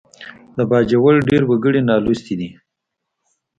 د باجوړ ډېر وګړي نالوستي دي